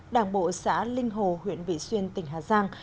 đảng bộ xã linh hồ huyện vị xuyên tỉnh hà giang